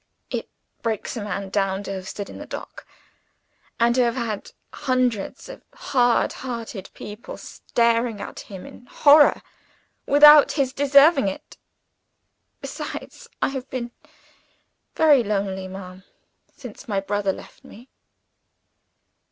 "It breaks a man down to have stood in the dock, and to have had hundreds of hard hearted people staring at him in horror without his deserving it. Besides, I have been very lonely, ma'am, since my brother left me."